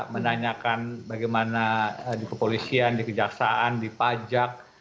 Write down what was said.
menanyakan bagaimana di kepolisian di kejaksaan di pajak